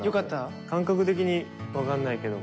感覚的にわかんないけど。